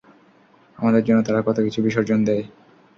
আমাদের জন্য তারা কতকিছু বিসর্জন দেয়!